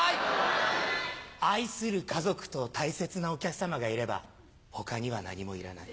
愛する家族と大切なお客さまがいれば他には何もいらない。